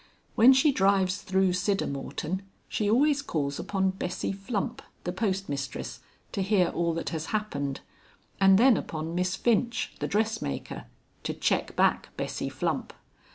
When she drives through Siddermorton she always calls upon Bessy Flump, the post mistress, to hear all that has happened, and then upon Miss Finch, the dressmaker, to check back Bessy Flump.